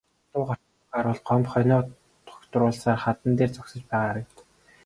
Дуу гарсан зүг харвал Гомбо хонио дугтруулсаар хадан дээр зогсож байгаа харагдав.